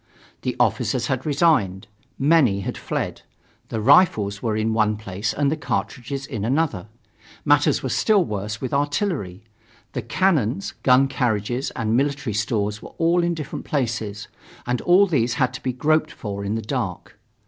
The officers had resigned. Many had fled. The rifles were in one place and the cartridges in another. Matters were still worse with artillery. The cannons, gun carriages and the military stores were all in different places; and all these had to be groped for in the dark.